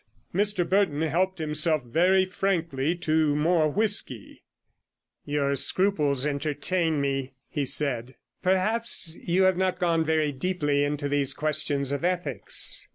Mr Burton helped himself very frankly to some more whisky. 91 'Your scruples entertain me,' he said. 'Perhaps you have not gone very deeply into these questions of ethics.